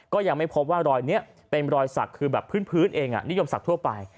ก็ยังไม่พบว่ารอยนี้เป็นรอยสักคือแบบพื้นเองนิยมศักดิ์ทั่วไป